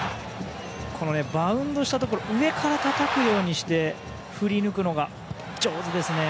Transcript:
このバウンドしたところ上からたたくようにして振り抜くのが上手ですね。